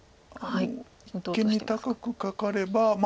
一間に高くカカれば。